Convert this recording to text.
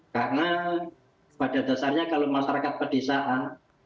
karena pada dasarnya kalau masyarakat pedesaan